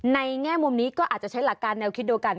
แง่มุมนี้ก็อาจจะใช้หลักการแนวคิดเดียวกัน